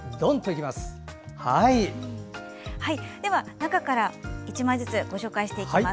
中から１枚ずつご紹介していきます。